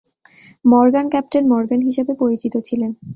Morgan captain Morgan হিসেবে পরিচিত ছিলেন।